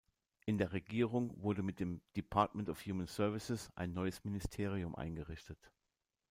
In der Regierung wurde mit dem „Department of Human Services“ ein neues Ministerium eingerichtet.